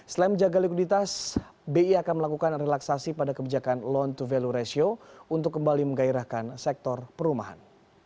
selain menjaga likuiditas bi akan melakukan relaksasi pada kebijakan loan to value ratio untuk kembali menggairahkan sektor perumahan